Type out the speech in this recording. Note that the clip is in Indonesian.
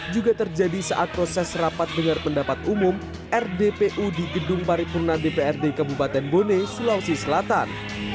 juga terjadi saat proses rapat dengar pendapat umum rdpu di gedung paripurna dprd kabupaten bone sulawesi selatan